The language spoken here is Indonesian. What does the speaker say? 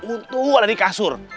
untung ada di kasur